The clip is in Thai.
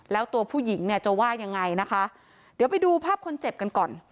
แล้วตัวผู้หญิงเนี่ยจะว่ายังไงนะคะเดี๋ยวไปดูภาพคนเจ็บกันก่อน